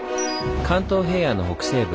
関東平野の北西部